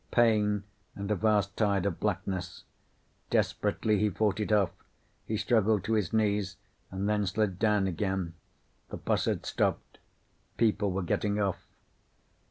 Pain and a vast tide of blackness. Desperately, he fought it off. He struggled to his knees and then slid down again. The bus had stopped. People were getting off.